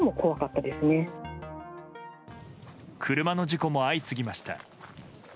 車の事故も相次ぎました。